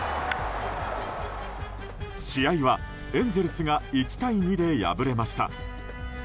試合はエンゼルスが１対２で敗れました。